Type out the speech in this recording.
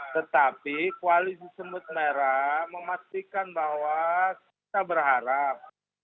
tetapi koalisi semut merah memastikan bahwa kita berharap